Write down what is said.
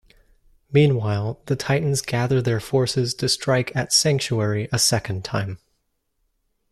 Meanwhile, the Titans gather their forces to strike at Sanctuary a second time.